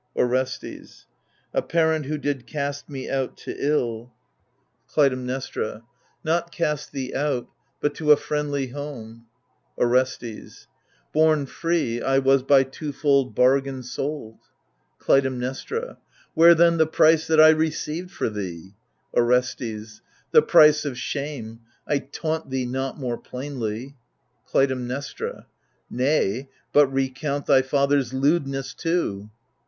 Orestes A parent who did cast me out to ill I 124 THE LIBATION BEARERS Clytemnestra Not cast thee out, but to a friendly home. Orestes Bom free, I was by twofold bargain sold. Clytemnestra Where then the price that I received for thee ? Orestes The price of shame ; I taunt thee not more plainly. Clytemnestra Nay, but recount thy father's lewdness too.